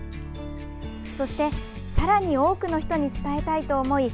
そして、さらに多くの人に伝えたいと思い